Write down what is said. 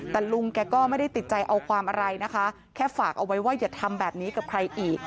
แต่ลุงแกก็ไม่ได้ติดใจเอาความอะไรนะคะแค่ฝากเอาไว้ว่าอย่าทำแบบนี้กับใครอีก